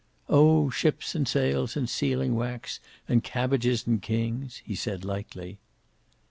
"Oh, ships and sails and sealing wax and cabbages and kings," he said, lightly.